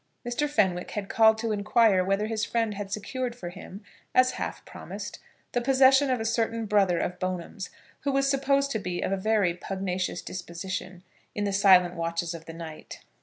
Mr. Fenwick had called to inquire whether his friend had secured for him, as half promised, the possession of a certain brother of Bone'm's, who was supposed to be of a very pugnacious disposition in the silent watches of the night.